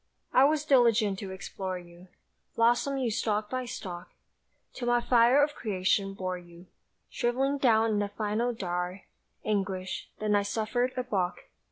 I was diligent to explore you, Blossom you stalk by stalk, Till my fire of creation bore you Shrivelling down in the final dour Anguish then I suffered a balk.